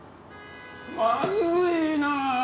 まずいな。